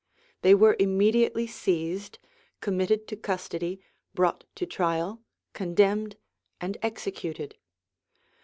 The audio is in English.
They were immediately seized, committed to custody, brought to trial, condemned and executed.